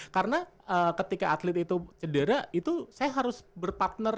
karena ketika atlet itu cedera itu saya harus berpartner